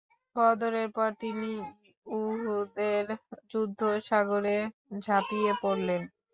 বদরের পর তিনি উহুদের যুদ্ধ সাগরে ঝাঁপিয়ে পড়লেন।